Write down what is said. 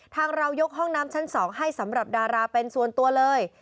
เรายกห้องน้ำชั้น๒ให้สำหรับดาราเป็นส่วนตัวเลย